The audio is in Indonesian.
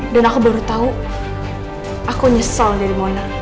dan aku baru tau aku nyesel dari mona